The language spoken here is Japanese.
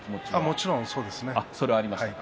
もちろんそれはそうですね。